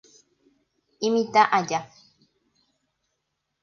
Imitã aja.